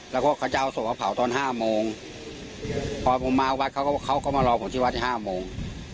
แล้วก็เขาจะเอาศพมาเผาตอน๕โมงพอผมมาวัดเขาก็เขาก็มารอผมที่วัดที่๕โมง